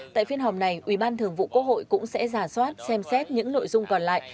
tại phiên họp này ủy ban thường vụ quốc hội cũng sẽ giả soát xem xét những nội dung còn lại